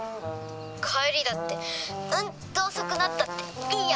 帰りだってうんと遅くなったっていいや。